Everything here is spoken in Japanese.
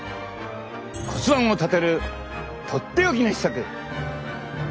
骨盤を立てるとっておきの秘策。